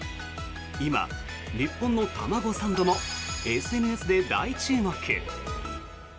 今、日本の卵サンドもＳＮＳで大注目。